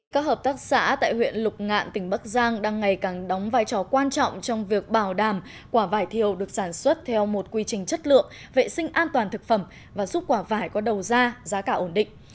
các hợp tác xã tại huyện lục ngạn tỉnh bắc giang đang ngày càng đóng vai trò quan trọng trong việc bảo đảm quả vải thiều được sản xuất theo một quy trình chất lượng vệ sinh an toàn thực phẩm và giúp quả vải có đầu ra giá cả ổn định